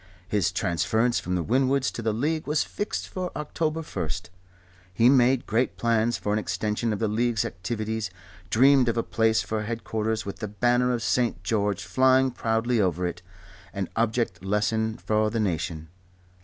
His transference from the Winwoods to the League was fixed for October 1. He made great plans for an extension of the League's, activities, dreamed of a palace for headquarters with the banner of St. George flying proudly over it, an object lesson for the nation.